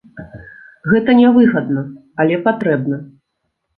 Гэта не выгадна, але патрэбна.